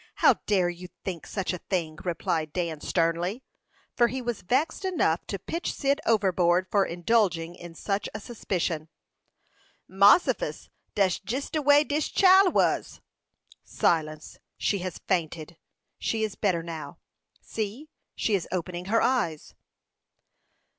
How dare you think such a thing!" replied Dan, sternly; for he was vexed enough to pitch Cyd overboard for indulging in such a suspicion. "Mossifus! Dat's jus de way dis chile was." "Silence! She has fainted. She is better now. See! She is opening her eyes."